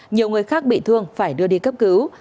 nhiều người khác bị thương phải đưa đi cấp cứu